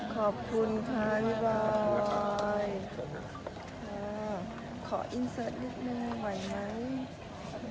ขอบคุณค่ะพี่บอยค่ะขออินเสิร์ตนิดนึงไหวไหม